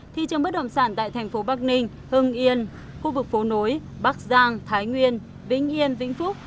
thị trường bất động sản tại thành phố bắc ninh hưng yên khu vực phố nối bắc giang thái nguyên vĩnh yên vĩnh phúc